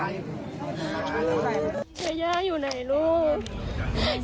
ยาย่าอยู่ไหนลูก